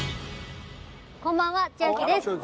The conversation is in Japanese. こんばんは千秋です